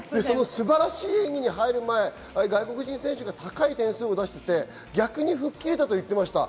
演技に入る前、外国人選手が高い点数を出していて、逆に吹っ切れたと言っていました。